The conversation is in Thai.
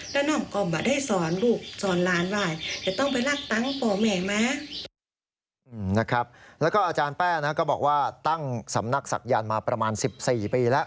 แล้วก็อาจารย์แป้งก็บอกว่าตั้งสำนักศักดิ์ยานมาประมาณ๑๔ปีแล้ว